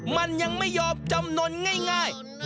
มันยังไม่ยอมจำนวนง่าย